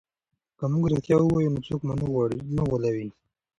که موږ رښتیا ووایو نو څوک مو نه غولوي.